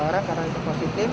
orang karena itu positif